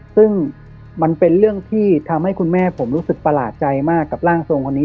ซึ่งมันเป็นเรื่องที่ทำให้คุณแม่ผมรู้สึกประหลาดใจมากกับร่างทรงคนนี้